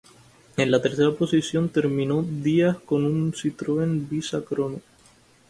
En la tercera posición terminó Díaz con un Citroën Visa Crono.